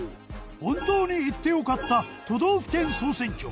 本当に行って良かった都道府県総選挙